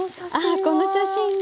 あっこの写真ね